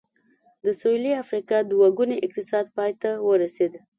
د سوېلي افریقا دوه ګونی اقتصاد پای ته ورسېد.